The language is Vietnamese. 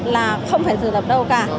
là không phải thực tập đâu cả